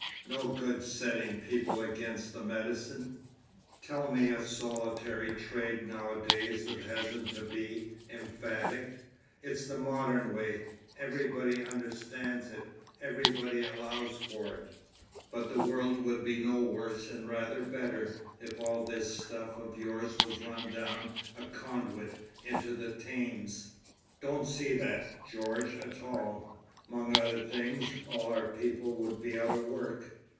No good setting people against the medicine. Tell me a solitary trade nowadays that hasn't to be—emphatic. It's the modern way! Everybody understands it—everybody allows for it." "But the world would be no worse and rather better, if all this stuff of yours was run down a conduit into the Thames." "Don't see that, George, at all. 'Mong other things, all our people would be out of work.